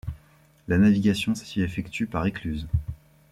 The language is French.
La navigation s'y effectue par écluses.